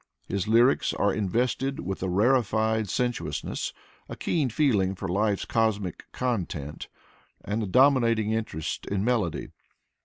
His lyrics are invested with a rarefied sen suousness, a keen feeling for life's cosmic context, and a domi nating interest in melody.